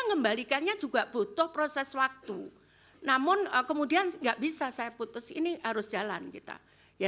mengembalikannya juga butuh proses waktu namun kemudian nggak bisa saya putus ini harus jalan kita ya